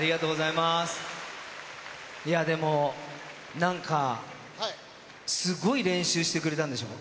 いやでもなんかすごい練習してくれたんでしょ？